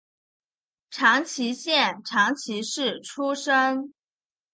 长崎县长崎市出身。